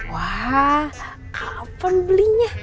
wah kapan belinya